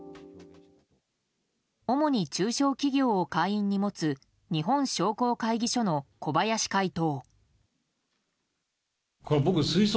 主に中小企業を会員に持つ日本商工会議所の小林会頭。